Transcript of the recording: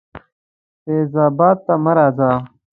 فیض آباد ته مه راځه.